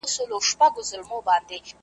ته به مي څرنګه د تللي قدم لار لټوې .